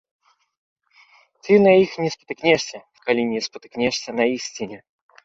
Ты на іх не спатыкнешся, калі не спатыкнешся на ісціне.